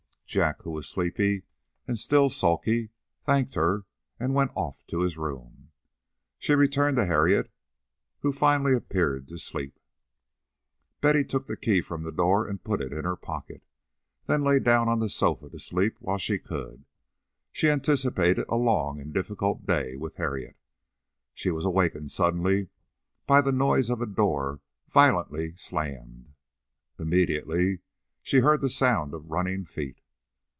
Jack, who was sleepy and still sulky, thanked her and went off to his room. She returned to Harriet, who finally appeared to sleep. Betty took the key from the door and put it in her pocket, then lay down on the sofa to sleep while she could: she anticipated a long and difficult day with Harriet. She was awakened suddenly by the noise of a door violently slammed. Immediately, she heard the sound of running feet.